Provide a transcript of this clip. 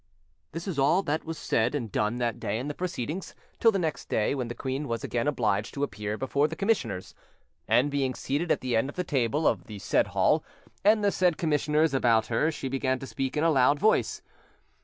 This is all that was said and done that day in the proceedings, till the next day, when the queen was again obliged to appear before the commissioners. And, being seated at the end of the table of the said hall, and the said commissioners about her, she began to speak in a loud voice.